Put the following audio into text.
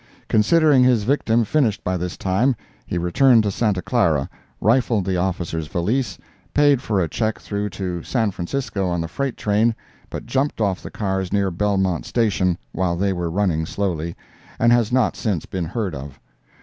Considering his victim finished by this time, he returned to Santa Clara, rifled the officer's valise, paid for a check through to San Francisco on the freight train, but jumped off the cars near Belmont Station, while they were running slowly, and has not since been heard of.